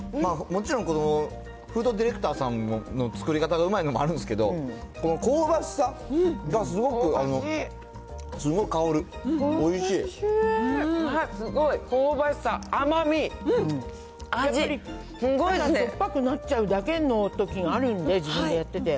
もちろんこのフードディレクターさんの作り方がうまいのもあるんですが、この香ばしさがすごく、すごい、香ばしさ、甘み、味、酸っぱくなっちゃうだけのときがあるんで、自分でやってて。